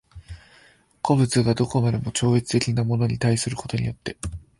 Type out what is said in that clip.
個物が何処までも超越的なるものに対することによって